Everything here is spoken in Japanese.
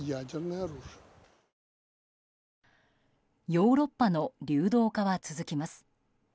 ヨーロッパの流動化は続きます。